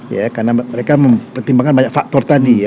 ya karena mereka mempertimbangkan banyak faktor tadi ya